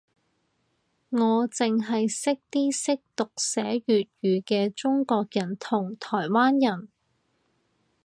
我剩係識啲識讀寫粵語嘅中國人同台灣人